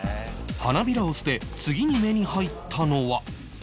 花びらを捨て次に目に入ったのは